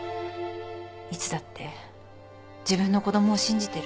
いつだって自分の子供を信じてる。